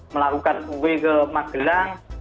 melakukan ui ke magelang